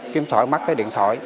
kiếm thoại mất cái điện thoại